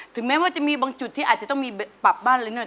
ถึงแม้ว่าจะมีบางจุดที่อาจจะต้องมีปรับบั้นเนี่ย